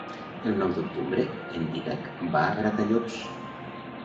El nou d'octubre en Dídac va a Gratallops.